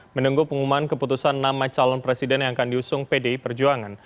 menunggu pengumuman keputusan nama calon presiden yang akan diusung pdi perjuangan